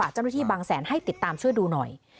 เจ้าหน้าที่บางแสนให้ติดตามช่วยดูหน่อย